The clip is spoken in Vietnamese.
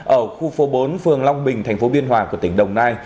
ở khu phố bốn phường long bình tp biên hòa của tỉnh đồng nai